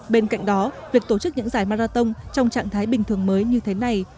bên cạnh đó việc tổ chức những giải marathon trong trạng thái bình thường mới như thế này